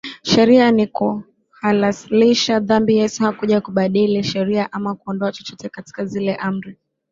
sheria ni kuhalalisha dhambi Yesu hakuja kubadili sheria ama kuondoa chochote katika zile Amri